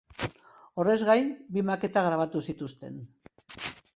Horrez gain, bi maketa grabatu zituzten.